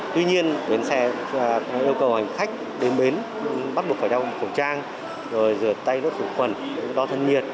tuy nhiên bến xe yêu cầu hành khách đến bến bắt buộc phải đeo khẩu trang rửa tay đốt khẩu khuẩn đo thân nhiệt